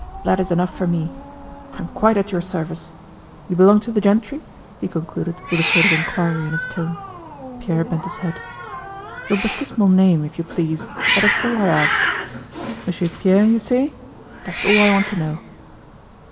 That is enough for me. I am quite at your service. You belong to the gentry?" he concluded with a shade of inquiry in his tone. Pierre bent his head. "Your baptismal name, if you please. That is all I ask. Monsieur Pierre, you say.... That's all I want to know."